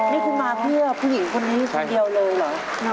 นี่คุณมาเพื่อผู้หญิงคนนี้คนเดียวเลยเหรอ